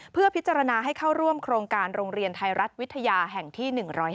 เพื่อพิจารณาให้เข้าร่วมโครงการโรงเรียนไทยรัฐวิทยาแห่งที่๑๕